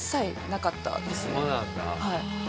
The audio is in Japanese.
はい。